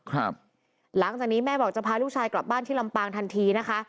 หลังจากนี้แม่บอกจะพาลูกชายกลับบ้านที่ลำปางทันทีนะคะ